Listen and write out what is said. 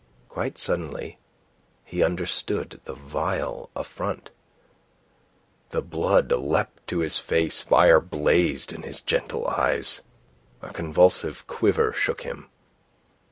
Quite suddenly he understood the vile affront. The blood leapt to his face, fire blazed in his gentle eyes. A convulsive quiver shook him.